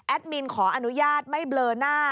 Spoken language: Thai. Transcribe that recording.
มินขออนุญาตไม่เบลอหน้า